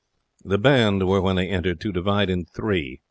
The band were, when they entered, to divide in three.